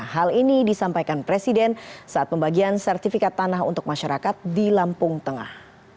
hal ini disampaikan presiden saat pembagian sertifikat tanah untuk masyarakat di lampung tengah